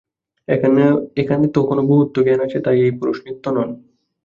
এখানে তখনও বহুত্ব-জ্ঞান আছে, তাই এই পুরুষ নিত্য নন।